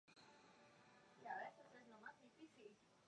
Barlow nació en Redding, Fairfield County, Connecticut.